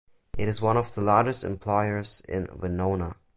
It is one of the largest employers in Winona.